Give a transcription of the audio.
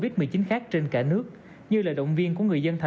tại vì như vậy là cũng quý quá